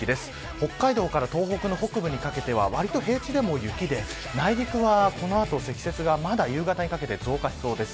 北海道から東北の北部にかけては平地でも雪で内陸はこの後、積雪が夕方にかけて増加しそうです。